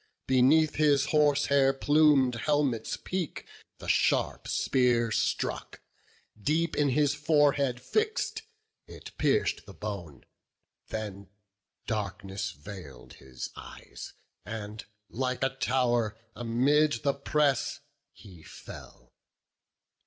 Beneath his horsehair plumed helmet's peak The sharp spear struck; deep in his forehead fix'd It pierc'd the bone; then darkness veil'd his eyes, And, like a tow'r, amid the press he fell.